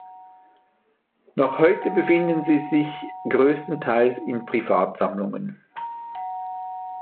Noch heute befinden sie sich größtenteils in Privatsammlungen.